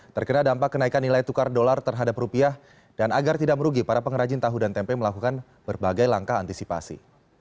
terkena dampak kenaikan nilai tukar dolar terhadap rupiah dan agar tidak merugi para pengrajin tahu dan tempe melakukan berbagai langkah antisipasi